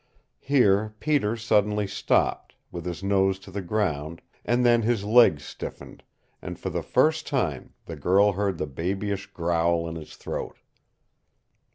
Here Peter suddenly stopped, with his nose to the ground, and then his legs stiffened, and for the first time the girl heard the babyish growl in his throat.